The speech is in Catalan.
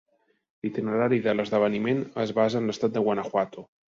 L'itinerari de l'esdeveniment es basa en l'estat de Guanajuato.